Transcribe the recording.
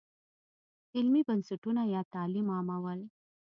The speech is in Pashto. علمي بنسټونه یا تعلیم عامول.